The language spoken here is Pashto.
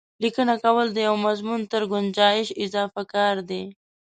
لیکنه کول د یوه مضمون تر ګنجایش اضافه کار دی.